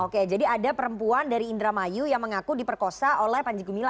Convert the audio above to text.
oke jadi ada perempuan dari indramayu yang mengaku diperkosa oleh panji gumilang